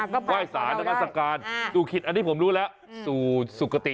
ก้วยสารน้้ำบัสการอ่าดูคิดอันที่ผมรู้แล้วสู่สุขติ